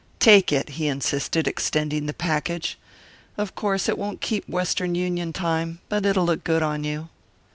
"Take it," he insisted, extending the package. "Of course it won't keep Western Union time, but it'll look good on you."